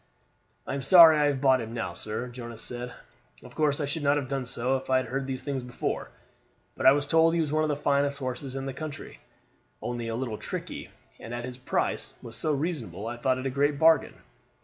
"I am sorry I have bought him now, sir," Jonas said. "Of course I should not have done so if I had heard these things before; but I was told he was one of the finest horses in the country, only a little tricky, and as his price was so reasonable I thought it a great bargain.